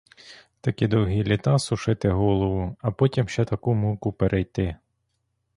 Такі довгі літа сушити голову, а потім ще таку муку перейти!